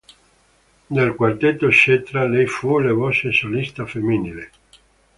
Del Quartetto Cetra lei fu la voce solista femminile.